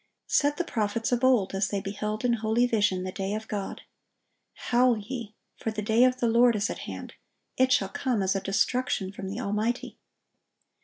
Said the prophets of old, as they beheld in holy vision the day of God: "Howl ye; for the day of the Lord is at hand; it shall come as a destruction from the Almighty."